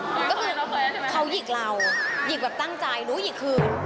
ก็คือเขาหยิกเราหยิกแบบตั้งใจรู้หยิกคืน